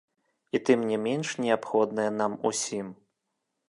І тым не менш неабходнае нам усім.